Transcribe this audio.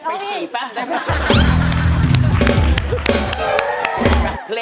ไปชีปะ